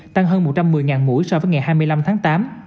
tăng hơn một trăm một mươi mũi so với ngày hai mươi năm tháng tám